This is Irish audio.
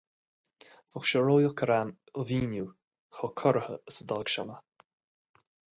Bheadh sé ródheacair agam a mhíniú chomh corraithe is a d'fhág sé mé.